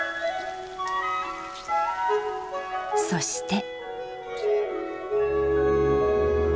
そして。